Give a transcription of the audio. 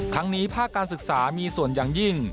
ทั้งนี้ภาคการศึกษามีส่วนอย่างยิ่ง